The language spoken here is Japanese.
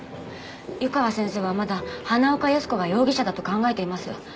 湯川先生はまだ花岡靖子が容疑者だと考えています